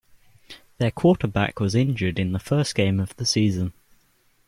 Their quarterback was injured in the first game of the season.